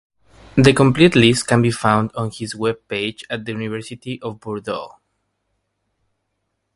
The complete list can be found on his webpage at the University of Bordeaux.